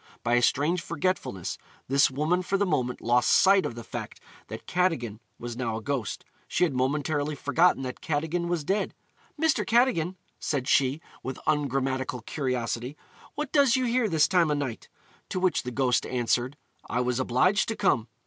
By a strange forgetfulness, this woman for the moment lost sight of the fact that Cadogan was now a ghost; she had momentarily forgotten that Cadogan was dead. 'Mr. Cadogan,' said she, with ungrammatical curiosity, 'what does you here this time o' night?' To which the ghost answered, 'I was obliged to come.'